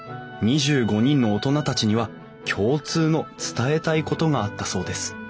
２５人の大人たちには共通の伝えたいことがあったそうです